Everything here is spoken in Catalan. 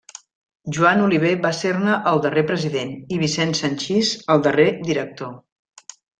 Joan Oliver va ser-ne el darrer president i Vicent Sanchis el darrer director.